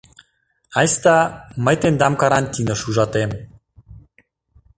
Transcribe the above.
— Айста, мый тендам карантиныш ужатем.